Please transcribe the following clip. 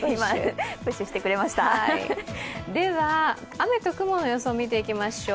雨と雲の予想を見ていきましょう。